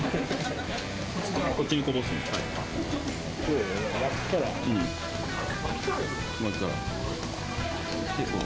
こっちにこぼすの。